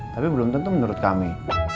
tapi belum tentu menurut kami